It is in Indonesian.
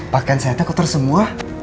pakaian saya takut tersemuah